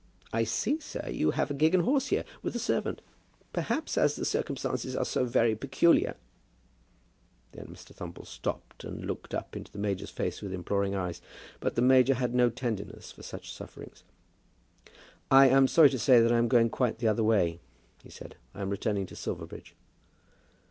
I see, sir, you have a gig and horse here, with a servant. Perhaps, as the circumstances are so very peculiar, " Then Mr. Thumble stopped, and looked up into the major's face with imploring eyes. But the major had no tenderness for such sufferings. "I'm sorry to say that I am going quite the other way," he said. "I am returning to Silverbridge."